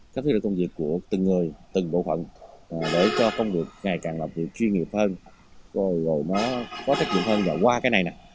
các thiết lực công việc của từng người từng bộ phận để cho công việc ngày càng làm việc chuyên nghiệp hơn rồi nó có trách nhiệm hơn và qua cái này nè